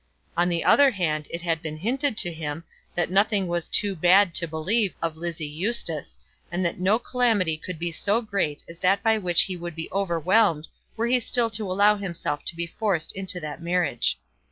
On the other hand it had been hinted to him, that nothing was too bad to believe of Lizzie Eustace, and that no calamity could be so great as that by which he would be overwhelmed were he still to allow himself to be forced into that marriage.